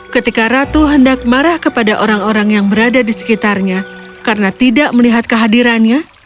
ketika ratu hendak marah kepada orang orang yang berada di sekitarnya karena tidak melihat kehadirannya